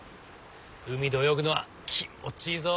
海で泳ぐのは気持ちいいぞ。